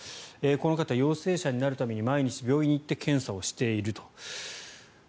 この方、陽性者になるために毎日病院に行って検査をしていると。